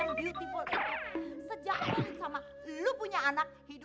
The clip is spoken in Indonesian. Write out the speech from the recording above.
tak lepas kacamata nya dulu